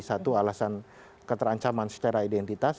satu alasan keterancaman secara identitas